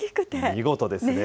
見事ですね。